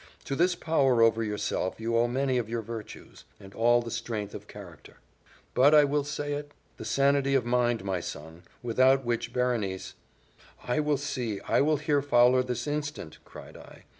To this power over yourself you owe many of your virtues, and all the strength of character, and, I will say it, the sanity of mind, my son, without which Berenice " "I will see I will hear Fowler this instant," cried I.